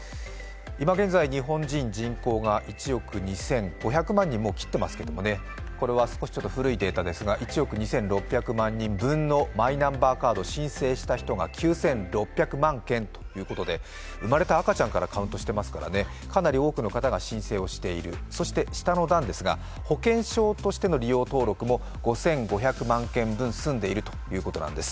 今現在、日本人、人口が１億２５００万人を切っていますけれども、これは少し古いデータですが、１億２６００万人分のマイナンバーカード申請した人が９６００万件ということで、生まれた赤ちゃんからカウントしていますから、かなり多くの方が申請しているそして、下の段ですが、保険証としての利用登録も５５００万件分済んでいるということなんです。